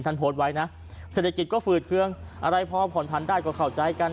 โพสต์ไว้นะเศรษฐกิจก็ฝืดเคืองอะไรพอผ่อนพันได้ก็เข้าใจกัน